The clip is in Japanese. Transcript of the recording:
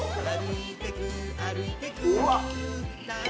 うわ。